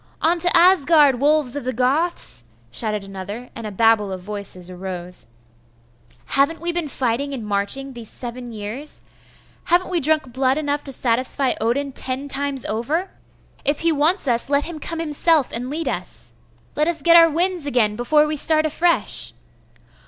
On to Asgard, wolves of the Goths!' shouted another; and a babel of voices arose. 'Haven't we been fighting and marching these seven years?' 'Haven't we drunk blood enough to satisfy Odin ten times over? If he wants us lot him come himself and lead us!' 'Let us get our winds again before we start afresh!